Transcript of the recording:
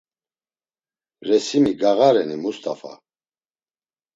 Resimi gağareni Must̆afa?